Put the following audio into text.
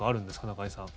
中居さん。